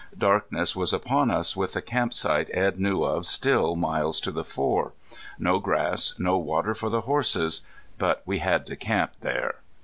Darkness was upon us with the camp site Edd knew of still miles to the fore. No grass, no water for the horses! But we had to camp there.